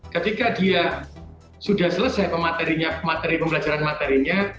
ketika dia sudah selesai pemateri pembelajaran materinya